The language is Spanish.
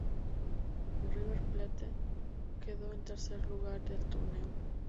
River Plate quedó en tercer lugar del torneo.